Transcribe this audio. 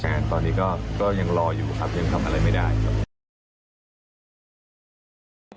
งานตอนนี้ก็ยังรออยู่ครับยังทำอะไรไม่ได้ครับ